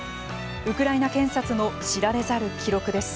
ウクライナ検察の知られざる記録です。